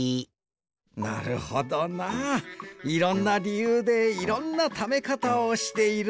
なるほどないろんなりゆうでいろんなためかたをしているんだな。